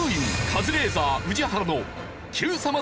カズレーザー宇治原のＱさま！！